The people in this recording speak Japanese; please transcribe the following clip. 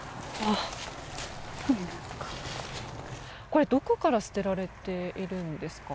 これ、どこから捨てられているんですか？